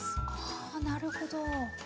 はあなるほど。